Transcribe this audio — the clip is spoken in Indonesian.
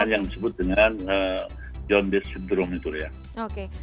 yang disebut dengan jaundice syndrome